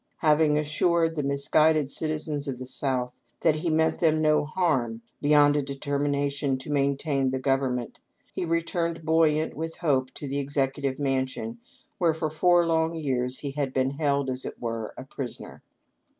Having assured the misguided citizens of the South APPENDIX. 627 that he meant them no harm beyond a determination to main tain the government, he returned buoyant with hope to the Executive Mansion where for four long years he had been held, as it were, a prisoner.